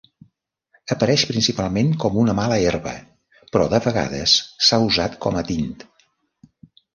Apareix principalment com una mala herba, però de vegades s'ha usat com a tint.